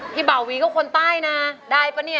ได้ครับพี่เบาวีก็คนใต้นะได้ป่ะเนี่ย